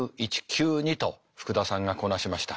Ｑ２と福田さんがこなしました。